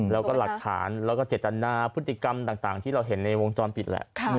แล้วก็หลักฐานแล้วก็เจตนาพฤติกรรมต่างที่เราเห็นในวงจรปิดแหละ